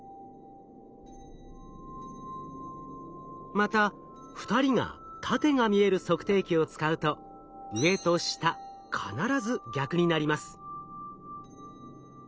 また２人が縦が見える測定器を使うと上と下必ず逆になります。